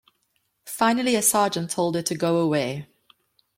Finally a sergeant told her to go away.